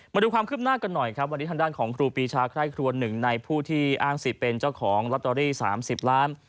มาดูความคืบหน้ากันหน่อยครับวันนี้ทางด้านของครูปีชาใคร่ครัวหนึ่งในผู้ที่อ้างสิทธิ์เป็นเจ้าของลอตเตอรี่๓๐ล้าน